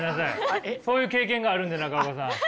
そういう経験があるんで中岡さん。